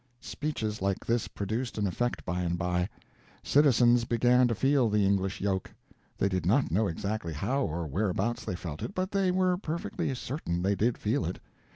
Speeches like this produced an effect by and by. Citizens began to feel the English yoke; they did not know exactly how or whereabouts they felt it, but they were perfectly certain they did feel it.